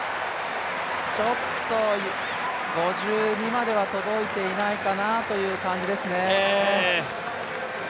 ちょっと５２までは届いていないかなという感じですね。